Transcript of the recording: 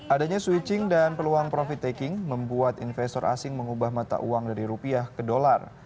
adanya switching dan peluang profit taking membuat investor asing mengubah mata uang dari rupiah ke dolar